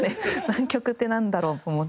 「南極ってなんだろう？」と思って。